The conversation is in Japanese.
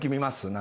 何？